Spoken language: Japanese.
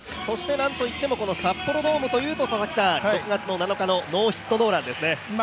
なんといっても札幌ドームというと６月７日のノーヒットノーランですね。